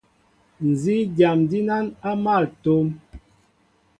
Nzí dyam dínán á mál a tóm,